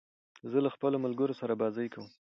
زه له خپلو ملګرو سره بازۍ کوم.